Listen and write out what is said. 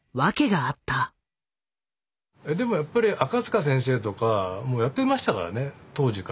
でもやっぱり赤塚先生とかもやってましたからね当時から。